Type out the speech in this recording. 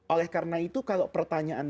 oleh karena itu kalau pertanyaan